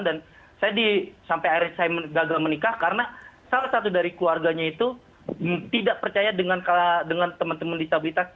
dan saya sampai akhirnya gagal menikah karena salah satu dari keluarganya itu tidak percaya dengan teman teman disabilitas